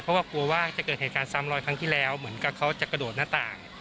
เพราะว่ากลัวว่าจะเกิดเหตุการณ์ซ้ำรอยครั้งที่แล้วเหมือนกับเขาจะกระโดดหน้าต่าง